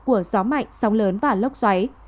của gió mạnh sóng lớn và lốc xoáy